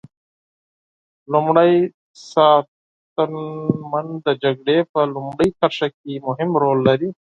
لومری ساتنمن د جګړې په لومړۍ کرښه کې مهم رول لري.